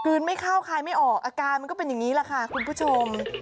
ไม่เข้าคายไม่ออกอาการมันก็เป็นอย่างนี้แหละค่ะคุณผู้ชม